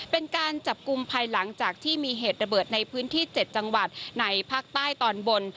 เป็นการจับกลุ่มภายหลังจากที่มีเหตุระเบิดในพื้นที่๗จังหวัดในภาคใต้ตอนบน